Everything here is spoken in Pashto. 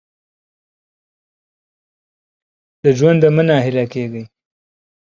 د ژونده مه نا هیله کېږه !